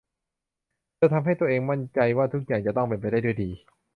เธอทำให้ตัวเองมั่นใจว่าทุกอย่างจะต้องเป็นไปด้วยดี